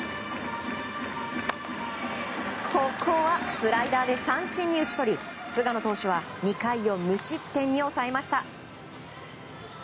ここはスライダーで三振に打ち取り菅野投手は２回を無失点に抑えました。